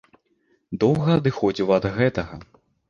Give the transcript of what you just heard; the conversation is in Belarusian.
Доўга адыходзіў ад гэтага.